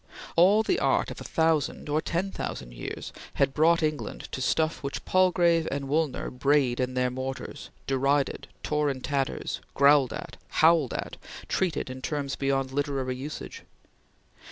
All the art of a thousand or ten thousand years had brought England to stuff which Palgrave and Woolner brayed in their mortars; derided, tore in tatters, growled at, and howled at, and treated in terms beyond literary usage.